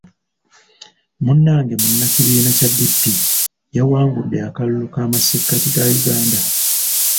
Munnange munnakibiina kya DP y'awangudde akalulu k'amasekkati ga Uganda.